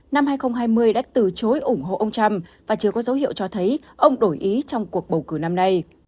năm hai nghìn hai mươi đã từ chối ủng hộ ông trump và chưa có dấu hiệu cho thấy ông đổi ý trong cuộc bầu cử năm nay